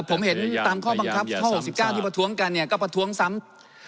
ผมเห็นตามข้อบังคับข้อ๖๙ที่ประท้วงกันเนี่ยก็ประท้วงซ้ำ